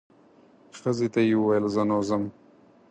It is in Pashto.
ښځې ته یې وویل زه نو ځم.